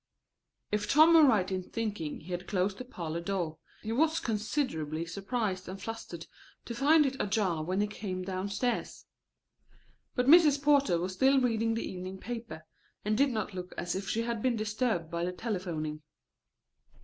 If Tom were right in thinking he had closed the parlor door he was considerably surprised and flustered to find it ajar when he came down stairs. But Mrs. Porter was still reading the evening paper and did not look as if she had been disturbed by the telephoning.